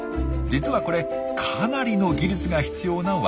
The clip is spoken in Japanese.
実はこれかなりの技術が必要な技。